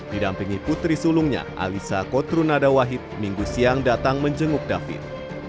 didampingi putri sulungnya alisa kotrunada wahid minggu siang datang menjenguk david